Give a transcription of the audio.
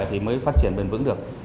thì mới phát triển bền vững được